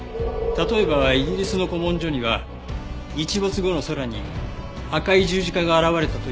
例えばイギリスの古文書には日没後の空に赤い十字架が現れたという記述があるそうです。